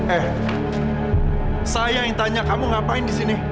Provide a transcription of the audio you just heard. eh saya yang tanya kamu ngapain di sini